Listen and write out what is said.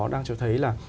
đang cho thấy là